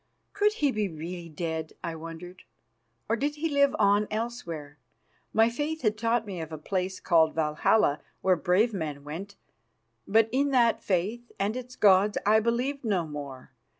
Could he be really dead, I wondered, or did he live on elsewhere? My faith had taught me of a place called Valhalla where brave men went, but in that faith and its gods I believed no more.